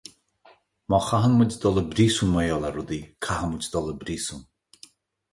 Má chaitheann muid dul i bpríosún mar gheall ar rudaí, caithfidh muid dul i bpríosún.